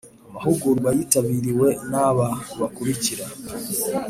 Amahugurwa yitabiriwe n aba bakurikira